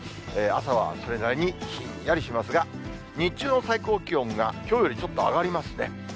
朝はそれなりにひんやりしますが、日中の最高気温がきょうよりちょっと上がりますね。